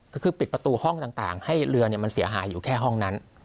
ก็คือปิดประตูห้องต่างให้เรือมันเสียหายอยู่แค่ห้องนั้น